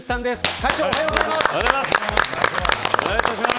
会長おはようございます。